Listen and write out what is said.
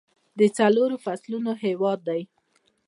د څلورو فصلونو هیواد دی.